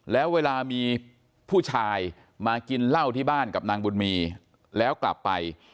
แล้วเวลามีผู้ชายมากินเหล้าที่บ้านกับนางบุญมีแล้วกลับไป